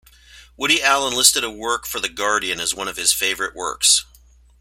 Woody Allen listed a work for The Guardian as one of his favorite works.